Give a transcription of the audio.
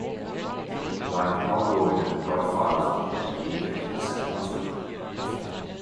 Det var en pågående godfather der ledte Casa Nostra